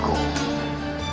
mereka pun akan menang